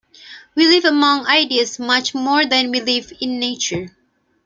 We live among ideas much more than we live in nature.